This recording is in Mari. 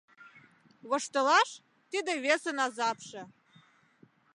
Воштылаш — тиде весын азапше